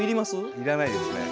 要らないですね。